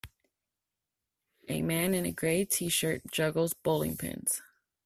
A man in a gray tshirt juggles bowling pins.